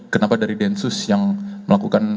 kenapa dari densus yang melakukan